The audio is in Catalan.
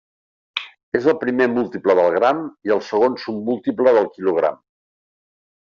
És el primer múltiple del gram i el segon submúltiple del quilogram.